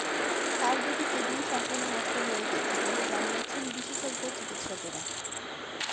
তাঁর দুটি কিডনিই সম্পূর্ণ নষ্ট হয়ে গেছে বলে জানিয়েছেন বিশেষজ্ঞ চিকিৎসকেরা।